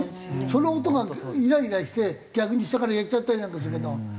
その音がイライラして逆に下からやっちゃったりなんかするけど。